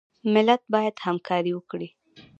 ملت باید همکاري وکړي